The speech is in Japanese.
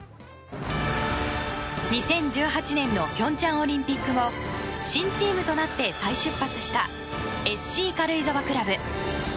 ２０１８年の平昌オリンピック後新チームとなって再出発したＳＣ軽井沢クラブ。